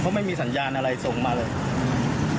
เพราะไม่มีสัญญาณอะไรส่งมาเลย